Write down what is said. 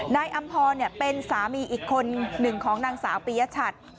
อำพรเป็นสามีอีกคนหนึ่งของนางสาวปียชัด